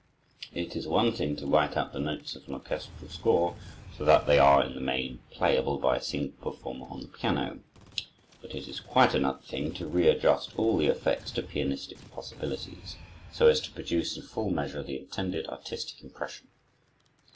It is one thing to write out the notes of an orchestral score so that they are, in the main, playable by a single performer on the piano; but it is quite another thing to readjust all the effects to pianistic possibilities, so as to produce in full measure the intended artistic impression.